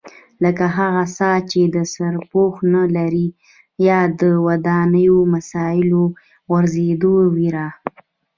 لکه هغه څاه چې سرپوښ نه لري یا د ودانیو د مسالو غورځېدو وېره.